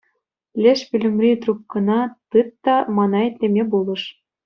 Леш пӳлӗмри трубкӑна тыт та мана итлеме пулӑш.